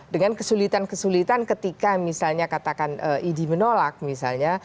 dengan kesulitan kesulitan ketika misalnya katakan idi menolak misalnya